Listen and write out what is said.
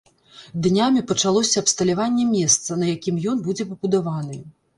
Днямі пачалося абсталяванне месца, на якім ён будзе пабудаваны.